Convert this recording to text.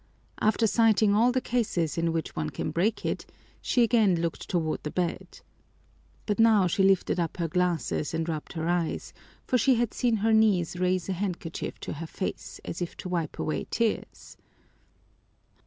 After citing all the cases in which one can break it she again looked toward the bed. But now she lifted up her glasses and rubbed her eyes, for she had seen her niece raise a handkerchief to her face as if to wipe away tears.